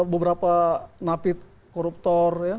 beberapa napi koruptor ya